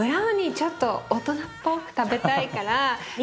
ちょっと大人っぽく食べたいから右。